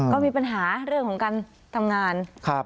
ก็มีปัญหาเรื่องของการทำงาน